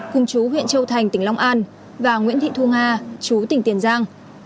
cùng chú huyện châu thành tỉnh long an và nguyễn thị thu nga chú tỉnh tiền giang